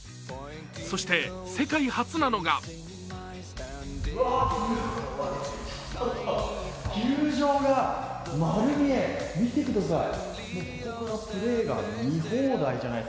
そして世界初なのがわーすごい、球場が丸見え、見てください。